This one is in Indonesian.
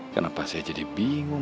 kenapa saya jadi bingung